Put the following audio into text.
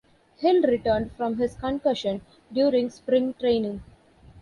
Hill returned from his concussion during spring training.